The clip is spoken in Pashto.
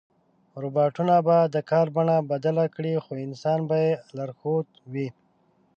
روباټونه به د کار بڼه بدله کړي، خو انسان به یې لارښود وي.